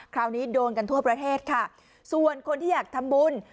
คราวนี้โดนกันทั่วประเทศค่ะส่วนคนที่อยากทำบุญ